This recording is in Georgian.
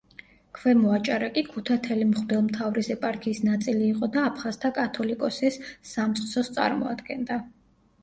ქვემო აჭარა კი ქუთათელი მღვდელმთავრის ეპარქიის ნაწილი იყო და აფხაზთა კათოლიკოსის სამწყსოს წარმოადგენდა.